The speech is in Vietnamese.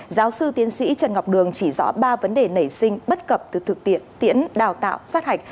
giáo sư tiến sĩ trần ngọc đường chỉ rõ ba vấn đề nảy sinh bất cập từ thực tiễn tiễn đào tạo sát hạch